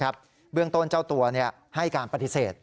เบื้องต้นเจ้าตัวให้การปฏิเสธ